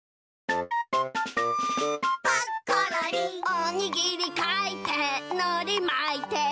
「おにぎりかいてのりまいて」